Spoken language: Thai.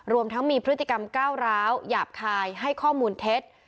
รวมทั้งมีพฤติกรรมก้าวร้าวหยาบคายให้ข้อมูลเท็จ